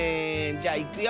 じゃいくよ。